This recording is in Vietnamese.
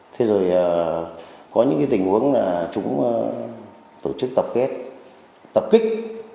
thế rồi có những tình huống là chúng tổ chức tập kích